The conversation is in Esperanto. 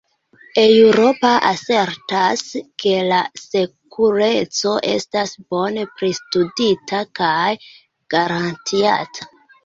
Eŭropo asertas ke la sekureco estas bone pristudita kaj garantiata.